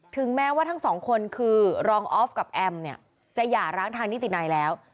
ถึงแม้ว่าทั้งสองคนคือรองออฟกับแอมเนี่ยจะหย่าร้างทางนิตินัยแล้ว